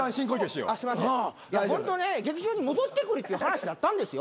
ホントね劇場に戻ってくるって話だったんですよ。